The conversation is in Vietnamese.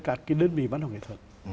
cả cái đơn vị văn hóa nghệ thuật